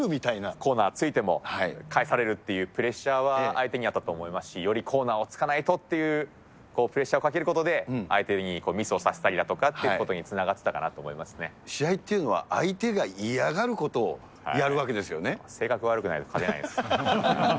コーナーついても返されるっていうプレッシャーは相手にあったと思いますし、よりコーナーをつかないとっていう、プレッシャーをかけることで、相手にミスをさせたりだとかということにつながってたかなと思い試合っていうのは、相手が嫌性格悪くないと勝てないです。